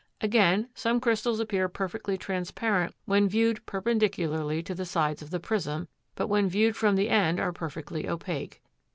Again, some crystals appear perfectly transparent when viewed perpendicularly to the sides of the prism, but when viewed from the end are perfectly opaque.